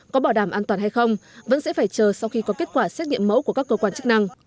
có bảo đảm an toàn hay không vẫn sẽ phải chờ sau khi có kết quả xét nghiệm mẫu của các cơ quan chức năng